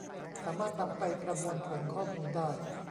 สามารถนำไปประมวลผลข้อมูลได้